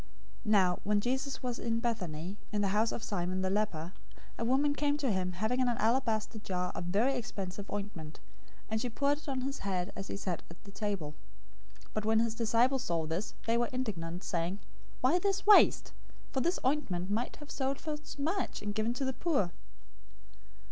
026:006 Now when Jesus was in Bethany, in the house of Simon the leper, 026:007 a woman came to him having an alabaster jar of very expensive ointment, and she poured it on his head as he sat at the table. 026:008 But when his disciples saw this, they were indignant, saying, "Why this waste? 026:009 For this ointment might have been sold for much, and given to the poor."